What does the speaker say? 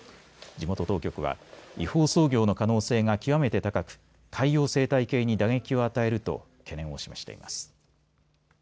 地元当局は違法操業の可能性が極めて高く海洋生態系に打撃を与えると懸念を示しています。